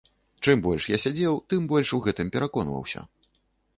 Чым больш я сядзеў, тым больш у гэтым пераконваўся.